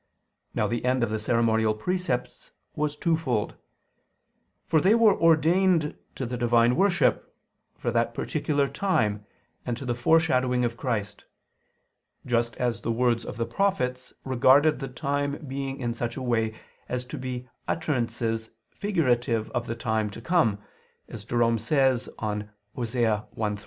Now the end of the ceremonial precepts was twofold: for they were ordained to the Divine worship, for that particular time, and to the foreshadowing of Christ; just as the words of the prophets regarded the time being in such a way as to be utterances figurative of the time to come, as Jerome says on Osee 1:3.